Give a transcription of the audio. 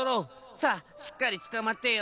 さあしっかりつかまってよ。